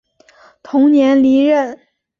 同年离任。